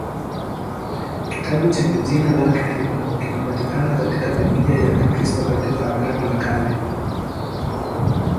Kitabu chenye jina lake kinapatikana katika Biblia ya Kikristo katika Agano la Kale.